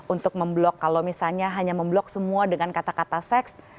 untuk memblok kalau misalnya hanya memblok semua dengan kata kata seks